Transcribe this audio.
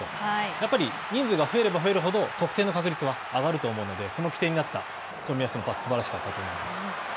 やっぱり人数が増えれば増えるほど、得点の確率は、上がると思うのでその起点になった冨安のパスは、すばらしかったと思います。